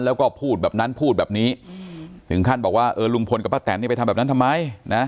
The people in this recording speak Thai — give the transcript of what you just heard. แล้วก็พูดแบบนั้นพูดแบบนี้ถึงขั้นบอกว่าเออลุงพลกับป้าแตนนี่ไปทำแบบนั้นทำไมนะ